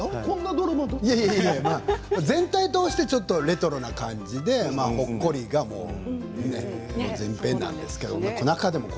全体を通してレトロな感じで、ほっこりな全編なんですけど。